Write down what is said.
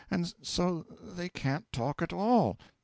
And so they can't talk at all.